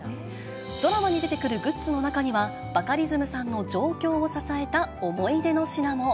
ドラマに出てくるグッズの中には、バカリズムさんの上京を支えた思い出の品も。